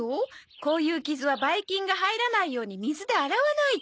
こういう傷はばい菌が入らないように水で洗わないと。